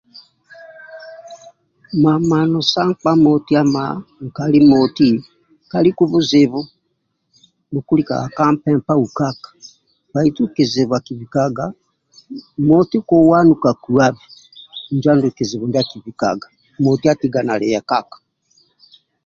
Mamano sa nkpa moti ama nkali moti kaliku buzibu bhukulikaga ka mpempa ukaka bbaitu kizibu akibikaga moti kowanu ka kuwabe injo andulu kizibu ndia akilikaga, moti atiga nali yekaka